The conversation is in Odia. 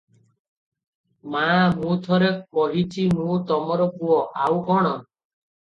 ମା' ମୁଁ ଥରେ କହିଚି ମୁଁ ତମର ପୁଅ- ଆଉ କଣ?